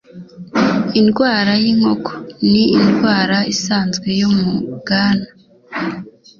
Indwara y'inkoko ni indwara isanzwe yo mu bwana.